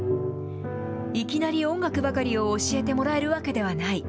いきなり音楽ばかりを教えてもらえるわけではない。